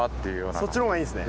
そっちのがいいんすね？